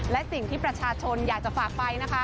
และสิ่งที่ประชาชนอยากจะฝากไปนะคะ